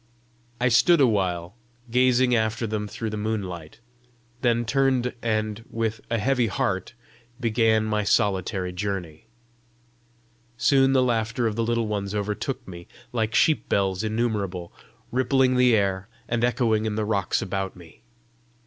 I stood a while, gazing after them through the moonlight, then turned and, with a heavy heart, began my solitary journey. Soon the laughter of the Little Ones overtook me, like sheep bells innumerable, rippling the air, and echoing in the rocks about me.